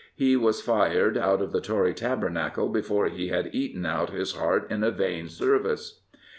He was fired out of the Tory tabernacle before he had eaten out his heart in a vain service.